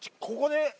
ここで？